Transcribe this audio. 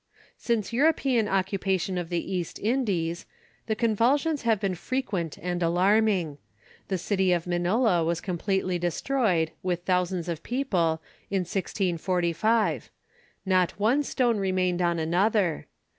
Since European occupation of the East Indies, the convulsions have been frequent and alarming. The city of Manila was completely destroyed, with thousands of people, in 1645. Not one stone remained on another.